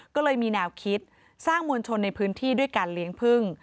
ก็เลยมีแนวคิดสร้างมวลชนในพื้นที่ด้วยการเลี้ยงพึ่ง